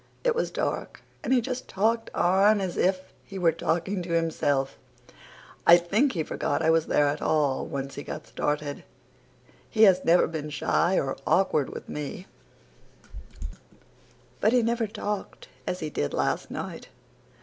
It was dark and he just talked on as if he were talking to himself I think he forgot I was there at all, once he got started. He has never been shy or awkward with me, but he never talked as he did last night."